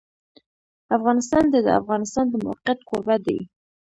افغانستان د د افغانستان د موقعیت کوربه دی.